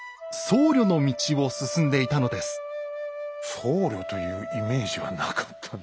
僧侶というイメージはなかったんで。